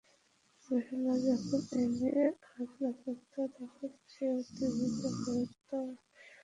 মোরেলা যখন এ নিয়ে আলোচনা করত তখন সে উত্তেজিত হয়ে উঠত অস্বাভাবিক রকমে।